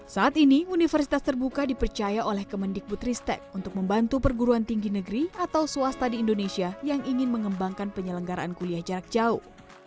saat ini universitas terbuka dipercaya oleh kemendikbutristek untuk membantu perguruan tinggi negeri atau swasta di indonesia yang ingin mengembangkan penyelenggaraan kuliah jarak jauh